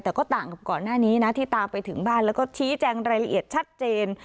แต่ก็ต่างกับก่อนหน้านี้นะที่ตามไปถึงบ้านแล้วก็ชี้แจงรายละเอียดชัดเจน